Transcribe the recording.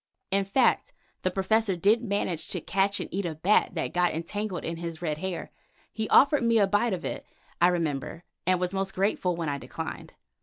In fact the Professor did manage to catch and eat a bat that got entangled in his red hair. He offered me a bite of it, I remember, and was most grateful when I declined.